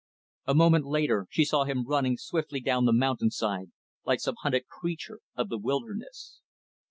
A moment later, she saw him running swiftly down the mountainside, like some hunted creature of the wilderness.